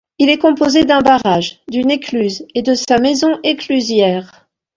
Il est composé d'un barrage, d'une écluse et de sa maison-éclusière.